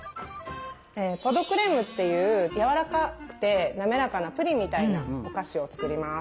「ポ・ド・クレーム」っていうやわらかくて滑らかなプリンみたいなお菓子を作ります。